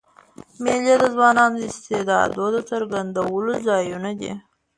مېلې د ځوانانو د استعدادو د څرګندولو ځایونه دي.